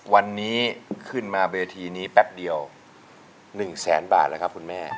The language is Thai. วันนี้ขึ้นมาเวทีนี้แป๊บเดียว๑แสนบาทแล้วครับคุณแม่